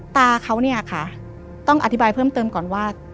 ตาเขาเนี่ยค่ะต้องอธิบายเพิ่มเติมก่อนว่า